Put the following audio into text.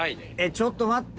ちょっと待って。